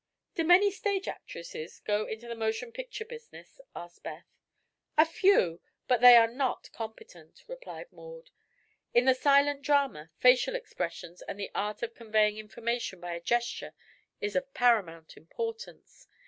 "Do many stage actresses go into the motion picture business?" asked Beth. "A few, but all are not competent," replied Maud. "In the 'silent drama' facial expression and the art of conveying information by a gesture is of paramount importance.